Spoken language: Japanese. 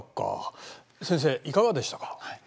先生いかがでしたか？